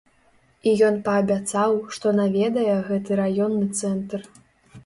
І ён паабяцаў, што наведае гэты раённы цэнтр.